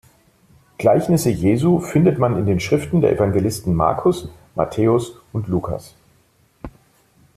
Gleichnisse Jesu findet man in den Schriften der Evangelisten Markus, Matthäus und Lukas.